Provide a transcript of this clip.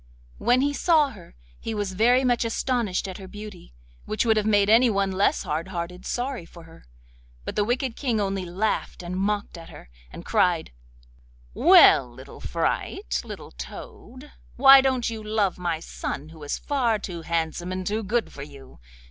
When he saw her he was very much astonished at her beauty, which would have made anyone less hard hearted sorry for her. But the wicked King only laughed and mocked at her, and cried: 'Well, little fright, little toad! why don't you love my son, who is far too handsome and too good for you?